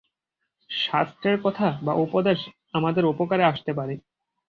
শাস্ত্রের কথা বা উপদেশ আমাদের উপকারে আসিতে পারে।